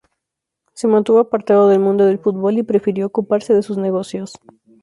Se mantuvo apartado del mundo del fútbol y prefirió ocuparse de sus negocios.